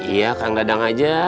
iya kang dadang aja